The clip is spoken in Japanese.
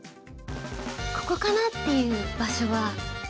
ここかなっていう場所は。